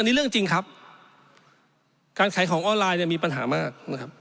อันนี้เรื่องจริงครับการแขนของออนไลน์มีปัญหามาก